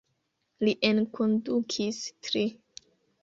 Li enkondukis tri.